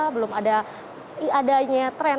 belum ada adanya tren